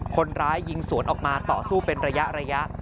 คนร้ายยิงสวนออกมาต่อสู้เป็นระยะ